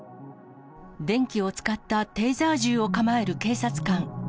電気を使ったテーザー銃を構える警察官。